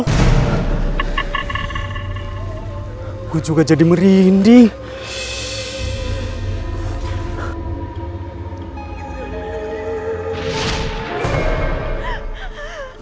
aku juga jadi merinding